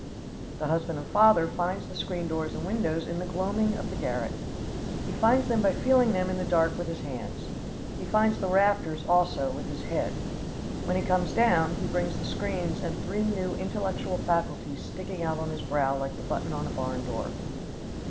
The husband and father finds the screen doors and windows in the gloaming of the garret. He finds them by feeling them in the dark with his hands. He finds the rafters, also, with his head. When he comes down, he brings the screens and three new intellectual faculties sticking out on his brow like the button on a barn door.